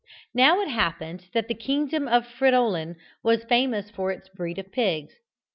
Now it happened that the kingdom of Fridolin was famous for its breed of pigs.